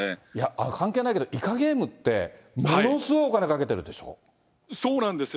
あれ、関係ないけど、イカゲームって、ものすごいお金かけてそうなんですよ。